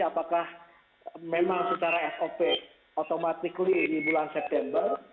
apakah memang secara sop otomatis di bulan september